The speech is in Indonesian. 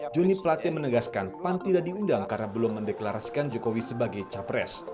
joni plate menegaskan pan tidak diundang karena belum mendeklarasikan jokowi sebagai capres